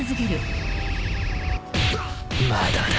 まだだ。